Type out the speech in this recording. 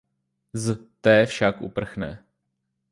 Z té však uprchne.